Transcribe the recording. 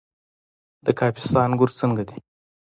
د کاپیسا انګور څنګه دي؟